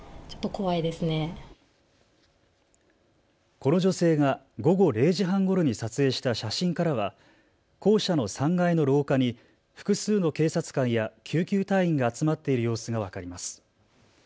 この女性が午後０時半ごろに撮影した写真からは校舎の３階の廊下に複数の警察官や救急隊員が集まっている様子が分かります。